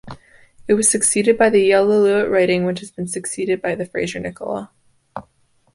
It was succeeded by the Yale-Lillooet riding, which has been succeeded by Fraser-Nicola.